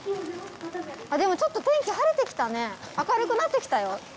でもちょっと天気晴れてきたね明るくなってきたよ。